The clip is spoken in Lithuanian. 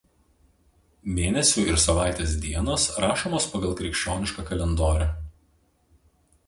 Mėnesių ir savaitės dienos rašomos pagal krikščionišką kalendorių.